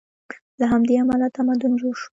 له همدې امله تمدن جوړ شو.